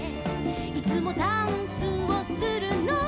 「いつもダンスをするのは」